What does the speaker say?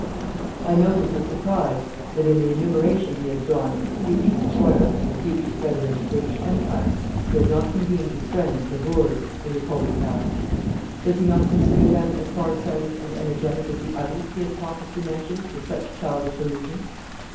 I notice, with surprise, that in the enumeration he has drawn of the future destroyers of the future federated British Empire, he has not convened his friends, the Boers, to his holy task. Does he not consider them as farsighted and energetic as the others he has pompously mentioned with such childish illusion.